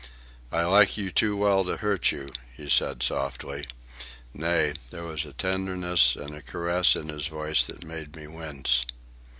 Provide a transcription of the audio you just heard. "I like you too well to hurt you," he said softly—nay, there was a tenderness and a caress in his voice that made me wince.